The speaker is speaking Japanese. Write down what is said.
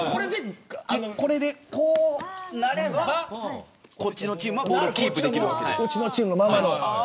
これで、こうなればこっちのチームはボールをキープできるわけです。